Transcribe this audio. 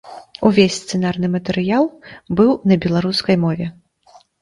Увесь сцэнарны матэрыял быў на беларускай мове.